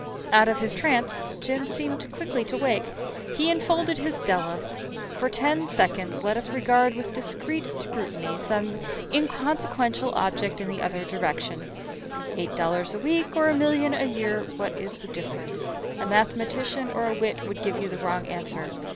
Out of his trance Jim seemed quickly to wake. He enfolded his Della. For ten seconds let us regard with discreet scrutiny some inconsequential object in the other direction. Eight dollars a week or a million a year what is the difference? A mathematician or a wit would give you the wrong answer.